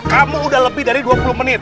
kamu udah lebih dari dua puluh menit